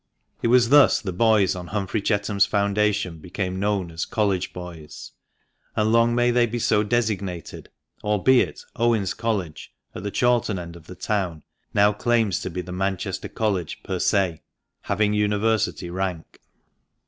It was thus the boys on Humphrey Chetham's foundation became, known as "College Boys." And long may they be so designated, albeit "Owens College" at the Chorlton end of the town now claims to be the Manchester College per se, having University rank.